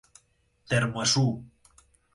Termoaçu